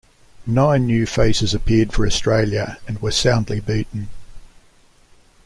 Nine new faces appeared for Australia, and were soundly beaten.